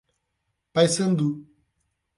Paiçandu